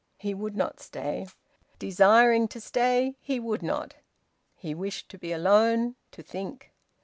He would not stay. Desiring to stay, he would not. He wished to be alone, to think.